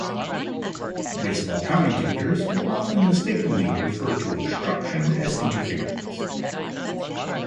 Baseball commentators will often mistakenly refer to obstruction as interference.